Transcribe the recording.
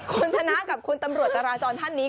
คุณชนะกับคุณตำรวจจราจรท่านนี้